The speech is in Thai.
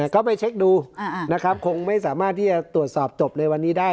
ก็ไปเช็คดูนะครับคงไม่สามารถที่จะตรวจสอบจบในวันนี้ได้